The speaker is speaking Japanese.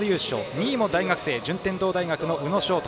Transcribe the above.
２位も大学生順天堂大学の宇野勝翔。